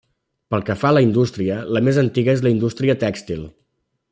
Pel que fa a la indústria, la més antiga és la indústria tèxtil.